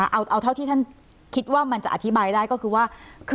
เอาเท่าที่ท่านคิดว่ามันจะอธิบายได้ก็คือว่า